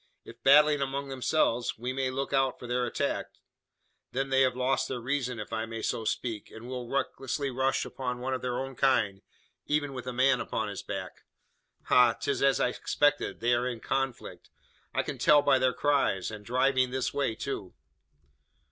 If battling among themselves, we may look out for their attack. Then they have lost their reason if I may so speak and will recklessly rush upon one of their own kind even with a man upon his back. Ha! 'tis as I expected: they are in conflict. I can tell by their cries! And driving this way, too!"